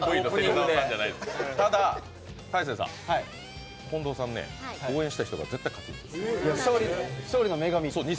ただ大晴さん、近藤さんね、応援した人が必ず勝つんです。